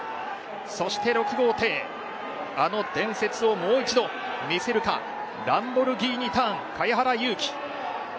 そして６号艇、あの伝説をもう一度、見せるか、ランボルギーニターン、茅原悠紀。